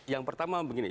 yang pertama begini